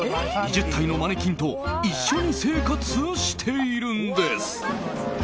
２０体のマネキンと一緒に生活しているんです。